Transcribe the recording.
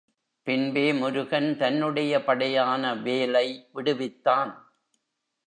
பின்பே முருகன் தன்னுடைய படையான வேலை விடுவித்தான்.